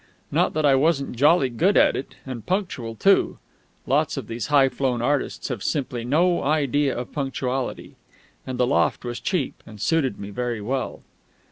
Not that I wasn't jolly good at it, and punctual too (lots of these high flown artists have simply no idea of punctuality); and the loft was cheap, and suited me very well.